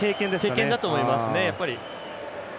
経験だと思いますね。